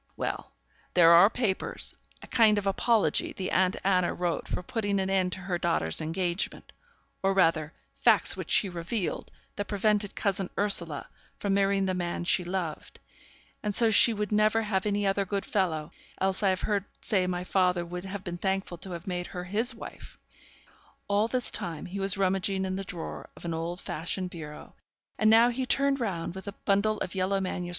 Well, there are papers a kind of apology the aunt Anna wrote for putting an end to her daughter's engagement or rather facts which she revealed, that prevented cousin Ursula from marrying the man she loved; and so she would never have any other good fellow, else I have heard say my father would have been thankful to have made her his wife.' All this time he was rummaging in the drawer of an old fashioned bureau, and now he turned round, with a bundle of yellow MSS.